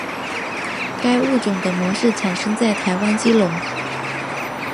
该物种的模式产地在台湾基隆。